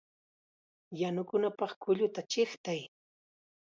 ¡Yanukunapaq kulluta chiqtay!